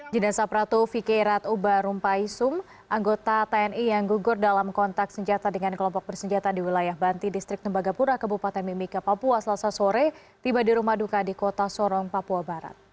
jenasa pratu vike rat ubarumpaisum anggota tni yang gugur dalam kontak senjata dengan kelompok bersenjata di wilayah banti distrik tembagapura kebupaten mimika papua selasa sore tiba di rumah duka di kota sorong papua barat